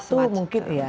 salah satu mungkin ya